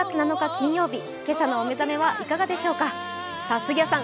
金曜日、今朝のお目覚めいかがでしょうか杉谷さん